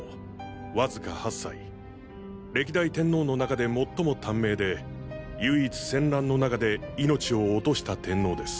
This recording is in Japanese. わずか８歳歴代天皇の中で最も短命で唯一戦乱の中で命を落とした天皇です。